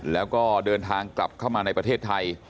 แล้วก็เดินทางกลับเข้ามาในประเทศไทย